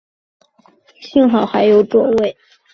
幸好还有座位